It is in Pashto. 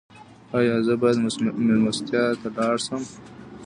ایا زه باید میلمستیا ته لاړ شم؟